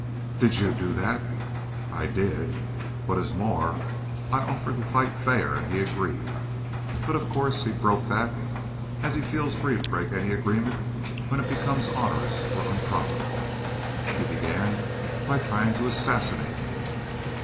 "Did you do that?" "I did. What is more, I offered to fight fair and he agreed. But, of course, he broke that, as he feels free to break any agreement when it becomes onerous or unprofitable. He began by trying to assassinate me."